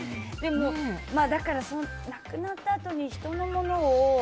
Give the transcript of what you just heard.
だから、亡くなったあとに人のものを。